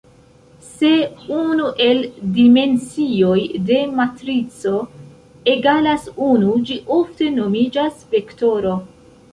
Se unu el dimensioj de matrico egalas unu, ĝi ofte nomiĝas vektoro.